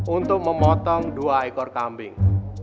untuk memotong dua ekor kambing